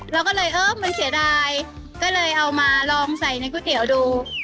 เราก็เลยเออมันเสียดายก็เลยเอามาลองใส่ในก๋วยเตี๋ยวดู